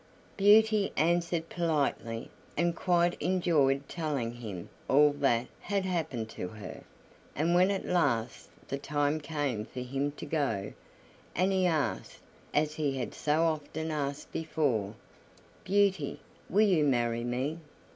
Beauty answered politely, and quite enjoyed telling him all that had happened to her. And when at last the time came for him to go, and he asked, as he had so often asked before, "Beauty, will you marry me?"